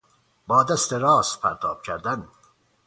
با دست راست پرتاب کردن